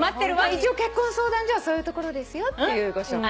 一応結婚相談所はそういうところですよっていうご紹介。